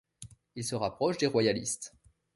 Il se rapproche des Royalistes.